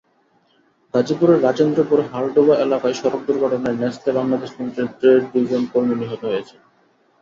গাজীপুরের রাজেন্দ্রপুর হালডোবা এলাকায় সড়ক দুর্ঘটনায় নেসলে বাংলাদেশ লিমিটেডের দুজন কর্মী নিহত হয়েছেন।